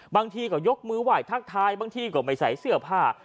บางทีก็ยกมือไหว้ทักทายบางทีก็ไม่ใส่เสื้อผ้า